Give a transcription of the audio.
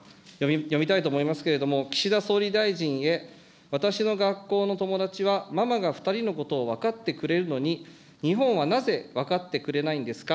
読みたいと思いますけれども、岸田総理大臣へ、私の学校の友だちはママが２人のことを分かってくれるのに、日本はなぜ分かってくれないんですか。